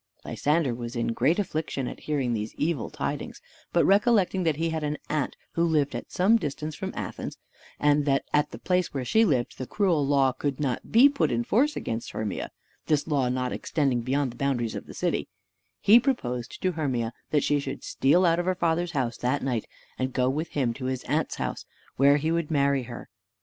Lysander was in great affliction at hearing these evil tidings; but recollecting that he had an aunt who lived at some distance from Athens, and that at the place where she lived the cruel law could not be put in force against Hermia (this law not extending beyond the boundaries of the city), he proposed to Hermia that she should steal out of her father's house that night, and go with him to his aunt's house, where he would marry her.